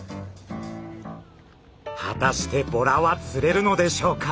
果たしてボラは釣れるのでしょうか？